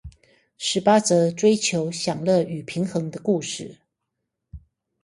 十八則追求享樂與平衡的故事